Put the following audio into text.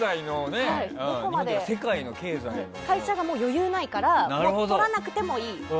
会社が余裕ないからもうとらなくてもいい。